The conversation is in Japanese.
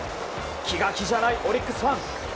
気が気じゃないオリックスファン。